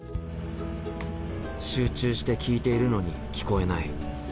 集中して聞いているのに聞こえない。